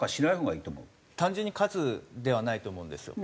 単純に数ではないと思うんですよ。